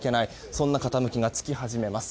そんな傾きがつき始めます。